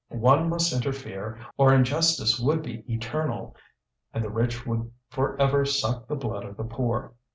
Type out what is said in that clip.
one must interfere, or injustice would be eternal, and the rich would for ever suck the blood of the poor.